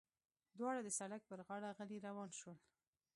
دواړه د سړک پر غاړه غلي روان شول.